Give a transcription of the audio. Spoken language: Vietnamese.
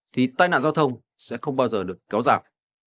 thì tai nạn giao thông sẽ không bao giờ được kéo giảm